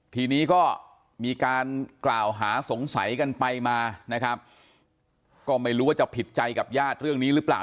ทีนี้ก็มีการกล่าวหาสงสัยกันไปมานะครับก็ไม่รู้ว่าจะผิดใจกับญาติเรื่องนี้หรือเปล่า